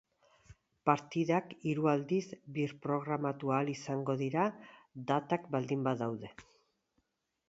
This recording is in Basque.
Partidak hiru aldiz birprogramatu ahal izango dira, datak baldin badaude.